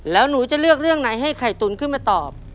แล้วหนูจะเลือกเรื่องไหนให้ไข่ตุ๋นขึ้นมาตอบ